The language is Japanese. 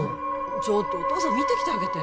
ちょっとお父さん見てきてあげて・